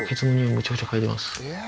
めちゃくちゃ嗅いでます。